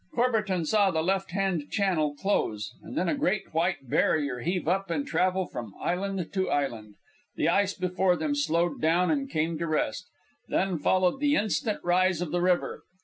Courbertin saw the left hand channel close, and then a great white barrier heave up and travel from island to island. The ice before them slowed down and came to rest. Then followed the instant rise of the river.